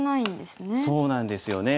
そうなんですよね。